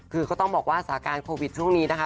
คือก็ต้องบอกว่าสถานการณ์โควิดช่วงนี้นะคะ